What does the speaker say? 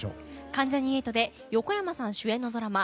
関ジャニ∞で横山さん主演のドラマ